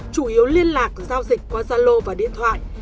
chủ yếu liên lạc giao dịch qua gia lô và điện thoại